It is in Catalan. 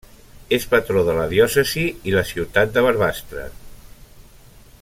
És patró de la diòcesi i la ciutat de Barbastre.